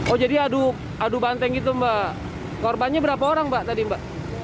oh jadi adu banteng gitu mbak korbannya berapa orang mbak tadi mbak